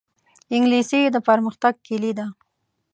انګلیسي د پرمختګ کلي ده